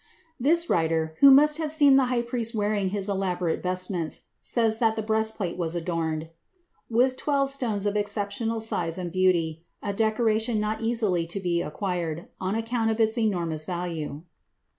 This writer, who must have seen the high priest wearing his elaborate vestments, says that the breastplate was adorned "with twelve stones of exceptional size and beauty, a decoration not easily to be acquired, on account of its enormous value."